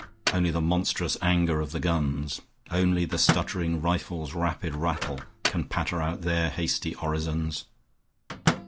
Only the monstrous anger of the guns. Only the stuttering rifles' rapid rattle Can patter out their hasty orisons.